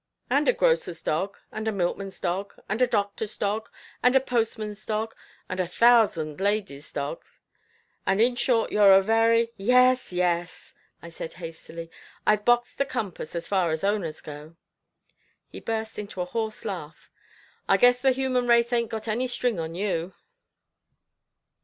"And a grocer's dog, and a milkman's dog, and a doctor's dog, and a postman's dog, and a thousand ladies' dog, and in short you're a very " "Yes, yes," I said hastily, "I've boxed the compass, as far as owners go." He burst into a hoarse laugh. "I guess the human race ain't got any string on you."